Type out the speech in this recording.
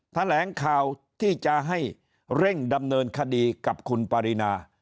แถลงข่าวที่จะให้เร่งดำเนินคดีกับคุณปรินา